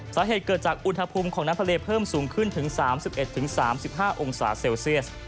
สาเหตุเกิดจากอุณหภูมิของน้ำทะเลเพิ่มสูงขึ้นถึง๓๑๓๕องศาเซลเซียส